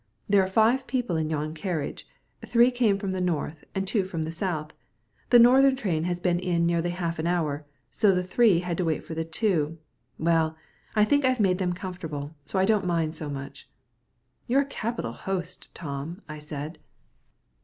There are five people in yon carriage; three came from the north, and two from the south. The northern train has been in nearly half an hour, so the three had to wait for the two. Well, I think I've made them comfortable, so I don't mind so much." "You're a capital host, Tom," I said.